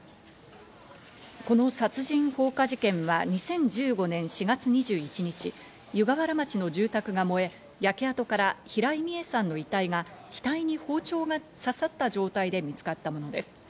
この殺人放火事件は２０１５年４月２１日、湯河原町の住宅が燃え、焼け跡から平井美江さんの遺体が額に包丁が刺さった状態で見つかったものです。